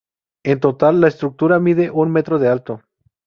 En total, la estructura mide un metro de alto.